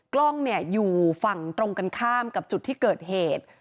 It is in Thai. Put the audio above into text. กล้องเนี่ยอยู่ฝั่งตรงกันข้ามกับจุดที่เกิดเหตุ